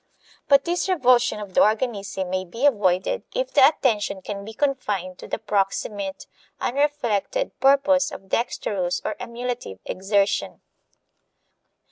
But this revulsion of the organism may be avoided if the attention can be confined to the proximate, unreflected purpose of dexterous or emulative exertion.